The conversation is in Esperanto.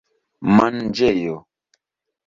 manĝejo